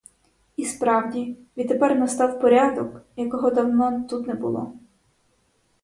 І справді, відтепер настав порядок, якого давно тут не було.